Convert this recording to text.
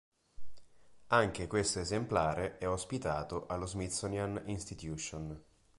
Anche questo esemplare è ospitato allo Smithsonian Institution.